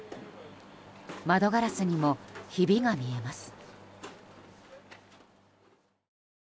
窓ガラスにもひびが見えます。